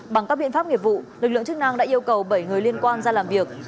bằng các biện pháp nghiệp vụ lực lượng chức năng đã yêu cầu bảy người liên quan ra làm việc